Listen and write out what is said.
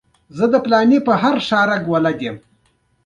دا نړۍ په کار ودانه ده په پښتو ژبه.